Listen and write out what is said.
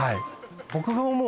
僕が思う